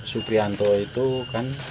suprianto itu kan